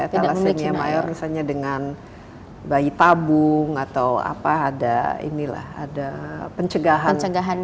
thalassemia mayor misalnya dengan bayi tabung atau apa ada pencegahan